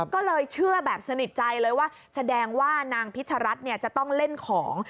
ก็เลยเชื่อแบบสนิทใจเลยว่าแสดงว่านางพิชรัฐจะต้องเล่นของ